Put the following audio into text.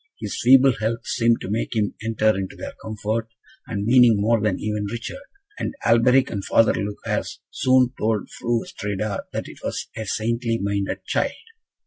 His feeble health seemed to make him enter into their comfort and meaning more than even Richard; and Alberic and Father Lucas soon told Fru Astrida that it was a saintly minded child.